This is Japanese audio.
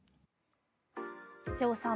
瀬尾さん